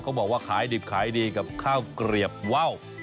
บอกว่าขายดิบขายดีกับข้าวเกลียบว่าว